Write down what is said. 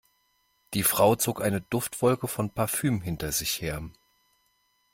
Die Frau zog eine Duftwolke von Parfüm hinter sich her.